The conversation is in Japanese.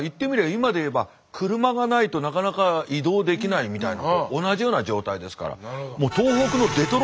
今で言えば車がないとなかなか移動できないみたいなことと同じような状態ですから。